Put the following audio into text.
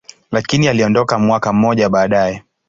lakini aliondoka mwaka mmoja baadaye.